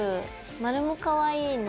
マルもかわいいね。